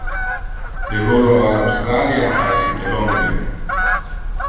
Le volo al Australia ha essite longe.